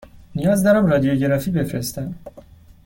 نیاز دارم رادیوگرافی بفرستم.